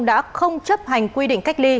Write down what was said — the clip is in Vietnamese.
đã không chấp hành quy định cách ly